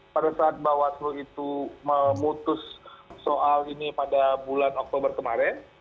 pada saat bawaslu itu memutus soal ini pada bulan oktober kemarin